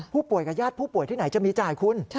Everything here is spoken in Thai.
กับญาติผู้ป่วยที่ไหนจะมีจ่ายคุณ